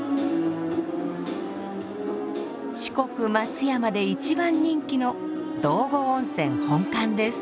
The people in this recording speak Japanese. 四国松山で一番人気の道後温泉本館です。